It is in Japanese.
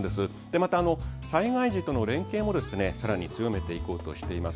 また、災害時の連携をさらに強めていこうとしています。